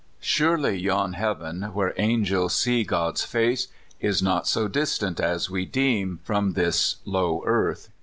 Surely yon heaven, where angels see God's face, Is not so distant as we deem From this low earth.